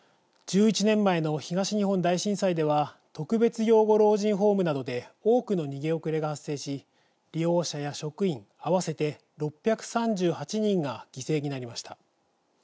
１１年前の東日本大震災では特別養護老人ホームなどで多くの逃げ遅れが発生し利用者や職員合わせて６３８人が犠牲になりました。